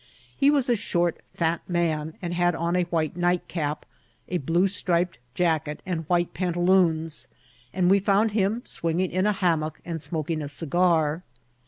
He was a short, fat man, and had on a white nightcap, a blue striped jacket, and white pantaloons, and we found him swinging in a hammock and smoking a cigar.